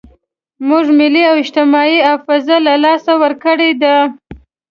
موږ ملي او اجتماعي حافظه له لاسه ورکړې ده.